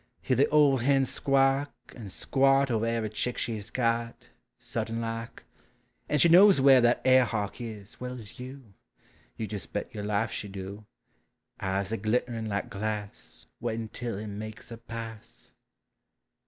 — Hear the old hen squawk, and squat Over every chick she 's got, Sudden like !— And she knows where That air hawk is, well as vou! — You jes' bet yer life she do !— Eyes a glittering like glass, Waitin' till he makes a pass!